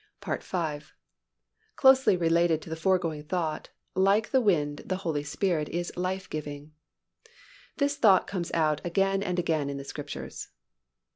(5) Closely related to the foregoing thought, like the wind the Holy Spirit is life giving. This thought comes out again and again in the Scriptures.